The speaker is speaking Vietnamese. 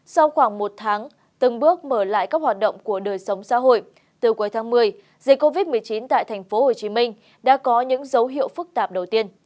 sau khoảng một tháng từng bước mở lại các hoạt động của đời sống xã hội từ cuối tháng một mươi dịch covid một mươi chín tại tp hcm đã có những dấu hiệu phức tạp đầu tiên